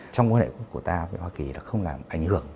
trong quan hệ của ta với hoa kỳ là không làm ảnh hưởng